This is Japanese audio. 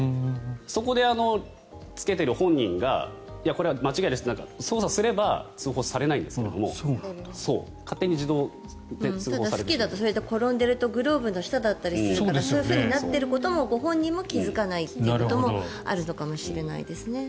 そこでつけている本人がこれは間違いですって操作すれば通報されないんですがスキーだと転んでいるとグローブの下だったりするからそういうふうになっていることもご本人も気付かないということもあるのかもしれないですかね。